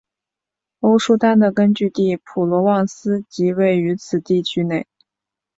欧舒丹的根据地普罗旺斯即位于此地区内。